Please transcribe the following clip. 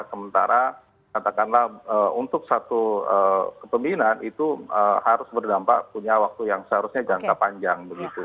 sementara katakanlah untuk satu kepemimpinan itu harus berdampak punya waktu yang seharusnya jangka panjang begitu